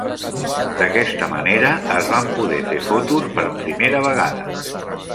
D'aquesta manera, es van poder fer fotos per primera vegada.